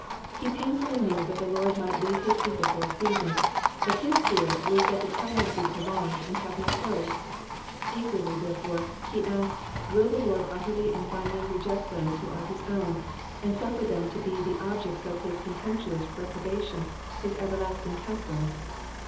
He painfully knew that the Lord might leave his people for a season, but his fear was that the time might be prolonged and have no close ; eagerly, therefore, he asked, will the Lord utterly and finally reject those who are his own, and suffer them to be the objects of his contemptuous reprobation, his everlasting cast offs